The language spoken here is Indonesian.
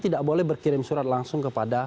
tidak boleh berkirim surat langsung kepada